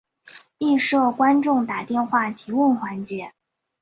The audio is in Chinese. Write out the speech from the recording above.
亦设观众打电话提问环节。